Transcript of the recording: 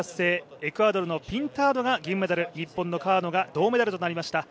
エクアドルのピンタードが銀メダル日本の川野が銅メダルとなりました。